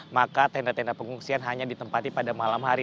maka tenda tenda pengungsian hanya ditempati pada malam hari